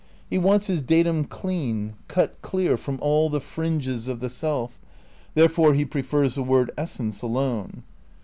He wants his datum clean, cut clear from all the fringes of the self, therefore he prefers the word essence alone.